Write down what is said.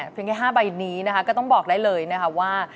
เพียงแค่๕ใบนี้นะคะก็ต้องบอกได้เลยนะคะว่า